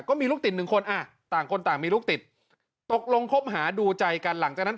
ก็มีลูกติดหนึ่งคนอ่ะต่างคนต่างมีลูกติดตกลงคบหาดูใจกันหลังจากนั้น